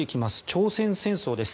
朝鮮戦争です。